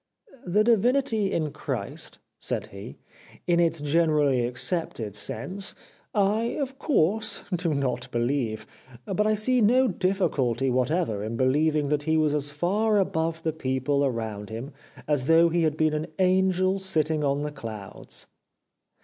"* The divinity of Christ,' said he, ' in its generally accepted sense, I, of course, do not believe, but I see no difficulty whatever in believ ing that he was as far above the people around him as though he had been an angel sitting on the clouds.'